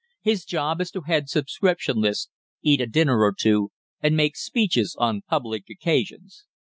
His job is to head subscription lists, eat a dinner or two, and make speeches on public occasions.'